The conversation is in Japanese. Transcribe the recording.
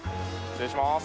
失礼します。